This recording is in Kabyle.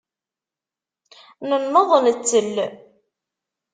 Nenneḍ nettel.